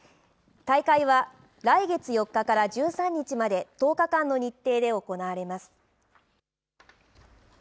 大会は来月４日から１３日まで、１０日間の日程で行われます。